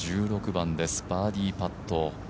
１６番です、バーディーパット。